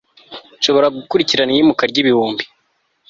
nshobora gukurikirana iyimuka ryibihumbi